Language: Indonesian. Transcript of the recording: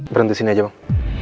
berhenti sini aja bang